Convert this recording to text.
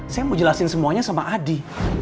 saya mau jelasin semuanya sama adi